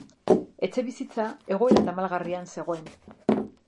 Etxebizitza egoera tamalgarrian zegoen.